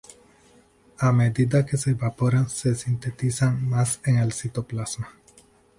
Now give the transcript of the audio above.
A medida que se evaporan, se sintetizan más en el citoplasma.